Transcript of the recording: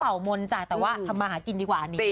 เป่ามนต์จ้ะแต่ว่าทำอาหารกินดีกว่านี้